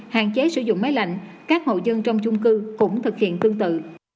hạn chế sử dụng máy lạnh các hộ dân trong chung cư cũng thực hiện tương tự